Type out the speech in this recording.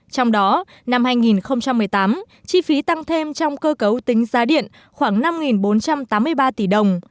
trong đó năm hai nghìn một mươi tám chi phí tăng thêm trong cơ cấu tính giá điện khoảng năm bốn trăm tám mươi ba tỷ đồng